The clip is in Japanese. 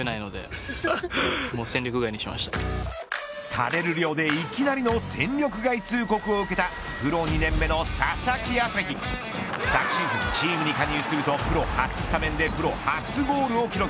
食べる量で、いきなりの戦力外通告を受けたプロ２年目の佐々木旭昨シーズン、チームに加入するとプロ初スタメンでプロ初ゴールを記録。